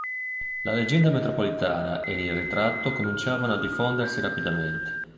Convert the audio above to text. La leggenda metropolitana ed il ritratto cominciavano a diffondersi rapidamente.